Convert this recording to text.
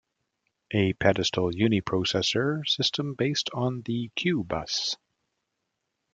A pedestal uniprocessor system based on the Q-Bus.